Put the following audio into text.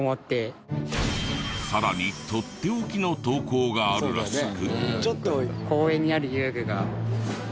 さらにとっておきの投稿があるらしく。